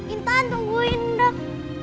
intan tungguin dok